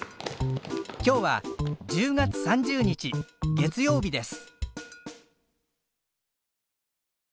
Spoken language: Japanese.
今日は１０月３０日月曜日です。